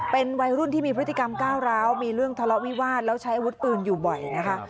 เป็นวัยรุ่นที่มีพฤติกรรมก้าวร้าวมีเรื่องทะเลาะวิวาสแล้วใช้อาวุธปืนอยู่บ่อยนะคะ